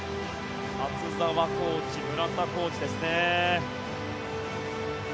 厚澤コーチ、村田コーチですね。